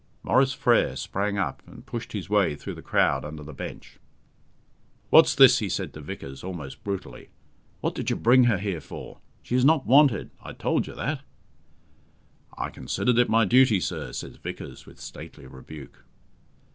Maurice Frere sprang up and pushed his way through the crowd under the bench. "What's this?" he said to Vickers, almost brutally. "What did you bring her here for? She is not wanted. I told you that." "I considered it my duty, sir," says Vickers, with stately rebuke.